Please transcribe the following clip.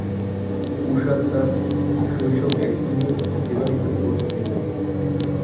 ঊষা তাঁর শৈশব এখানেই অতিবাহিত করেছিলেন।